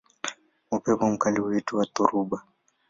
Upepo mkali huitwa dhoruba.